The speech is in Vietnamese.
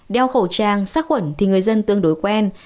đeo khẩu trang sát khuẩn thì người dân tương đối quen